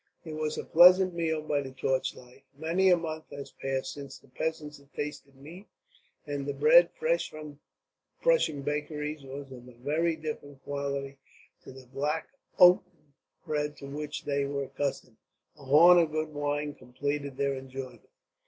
It was a pleasant meal by the torch light. Many a month had passed since the peasants had tasted meat; and the bread, fresh from the Prussian bakeries, was of a very different quality to the black oaten bread to which they were accustomed. A horn of good wine completed their enjoyment.